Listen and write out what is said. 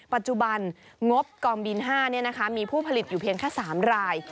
ปัจจุบันงบกองบิน๕มีผู้ผลิตอยู่เพียงแค่๓ราย